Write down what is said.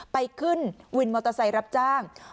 ไปขึ้นวินมอเตอร์ไซค์รับจ้าง